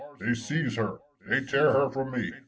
They seize her! They tear her from me.